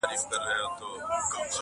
سترگي ور واوښتلې